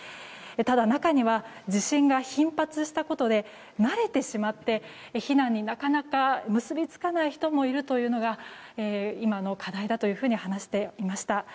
ただ中には、地震が頻発したことで慣れてしまって避難になかなか結びつかない人もいるというのが今の課題だと話していました。